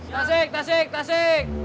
tasik tasik tasik